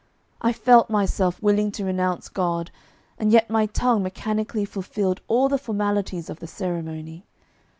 I felt myself willing to renounce God, and yet my tongue mechanically fulfilled all the formalities of the ceremony.